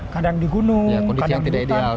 kadang di gunung kadang di hutan